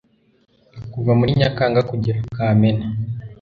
Kuva muri Nyakanga kugera Kamena